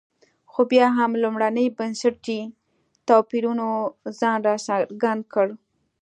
خو بیا هم لومړني بنسټي توپیرونو ځان راڅرګند کړ.